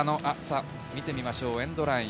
見てみましょうエンドライン。